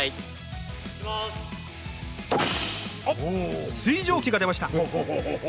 おっ水蒸気が出ました。